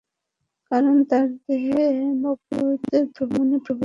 কারণ, তাঁর দেহে নবুওতের ধমনী প্রবাহিত ছিল।